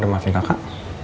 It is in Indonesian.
udah maafin kakak